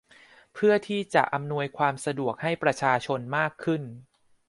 เพื่อที่จะอำนวยความสะดวกให้ประชาชนมากขึ้น